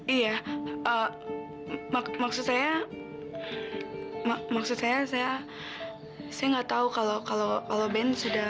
iya maksud saya maksud saya saya nggak tahu kalau aloband sudah